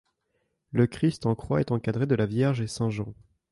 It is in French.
Le Christ en croix est encadré de la Vierge et saint Jean.